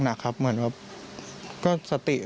หนักครับเหมือนแบบก็สติ